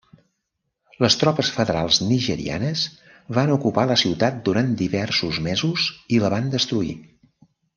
Les tropes federals nigerianes van ocupar la ciutat durant diversos mesos i la van destruir.